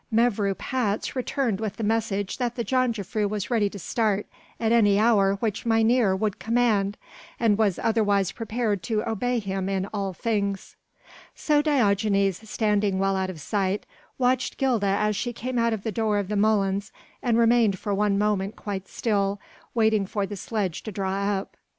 Mevrouw Patz returned with the message that the jongejuffrouw was ready to start at any hour which Mynheer would command and was otherwise prepared to obey him in all things. So Diogenes, standing well out of sight, watched Gilda as she came out of the door of the molens and remained for one moment quite still, waiting for the sledge to draw up.